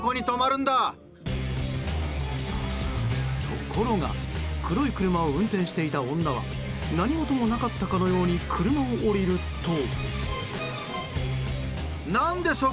ところが黒い車を運転していた女は何事もなかったように車を降りると。